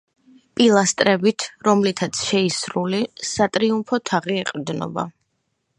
პილასტრებით, რომლითაც შეისრული, სატრიუმფო თაღი ეყრდნობა.